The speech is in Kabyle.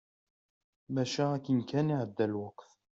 Maca akken kan iɛedda lweqt.